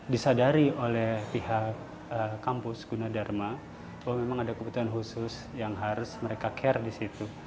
disadari oleh pihak kampus gunadharma bahwa memang ada kebutuhan khusus yang harus mereka care di situ